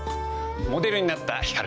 モデルになった光君。